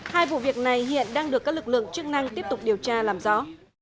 hai vụ việc này hiện đang được các lực lượng chức năng tiếp tục điều tra làm rõ